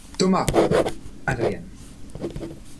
Thomas, Adrian.